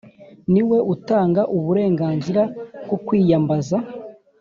Niwe utanga uburenganzira bwo kwiyambaza